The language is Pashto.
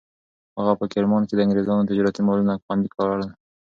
هغه په کرمان کې د انګریزانو تجارتي مالونه خوندي کړل.